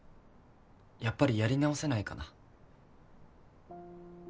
やっぱりやり直せないかな。